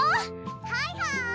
はいはい！